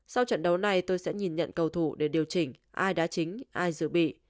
sau trận đấu này tôi sẽ nhìn nhận cầu thủ để điều chỉnh ai đá chính ai giữ bị